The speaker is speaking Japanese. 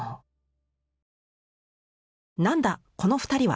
なんだこの２人は！